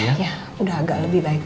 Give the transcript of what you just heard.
ya udah agak lebih baik